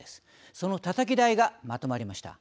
そのたたき台がまとまりました。